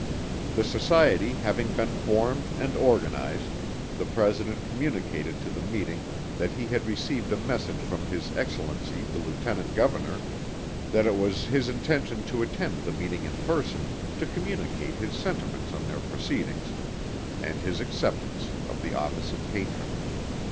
The Society having been formed and organized, the President communicated to the Meeting that he had received a Message from His Excellency the LIEUTENANT GOVERNOR, that it was his intention to attend the Meeting in person, to communicate his sentiments on their proceedings, and his acceptance of the office of Patron.